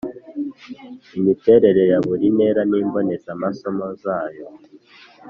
Imiterere ya buri ntera n’imbonezamasomo zayo